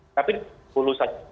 tapi dihulu saja